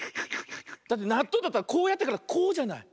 だってなっとうだったらこうやってからこうじゃない？